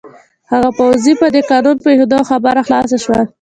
هغه پوځي په دې قانون پوهېده، خبره خلاصه شول.